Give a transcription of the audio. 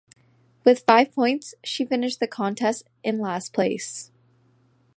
With five points, she finished the contest in last place.